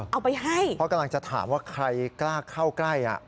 เอาไปให้เพราะกำลังจะถามว่าใครกล้าเข้าใกล้